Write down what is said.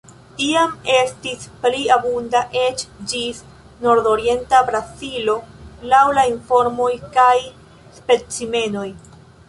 Iam estis pli abunda eĉ ĝis nordorienta Brazilo laŭ la informoj kaj specimenoj.